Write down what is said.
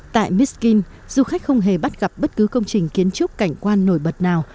tại miskyn du khách không hề bắt gặp bất cứ công trình kiến trúc cảnh quan nổi bật nào